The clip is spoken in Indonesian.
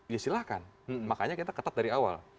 ya silahkan makanya kita ketat dari awal